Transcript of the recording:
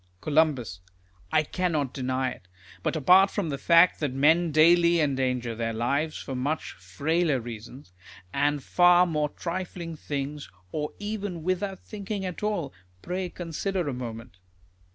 Col. I cannot deny it. But, apart from the fact that men daily endanger their lives for much frailer reasons, and far more trifling things, or even without thinking at all, pray consider a moment.